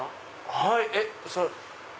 はい。